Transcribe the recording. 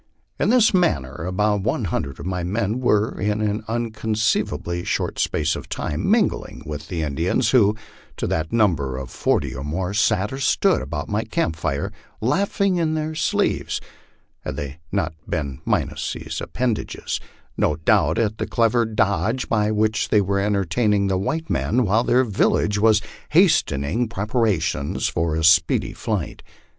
In this manner about one hundred of my men were, in an inconceivably short space of time, mingled with the Indians, who, to the number of forty or more, sat or stood about my camp fire, laughing in their sleeves (had they not been minus these appendages), no doubt, at the clever dodge by which they were entertaining the white men while their village was hastening prep arations for a speedy flight.